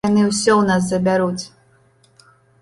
Яны ўсё ў нас забяруць!